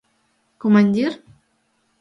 Командир?